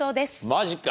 マジか。